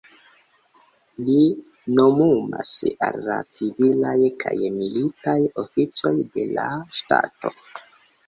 Li nomumas al la civilaj kaj militaj oficoj de la ŝtato.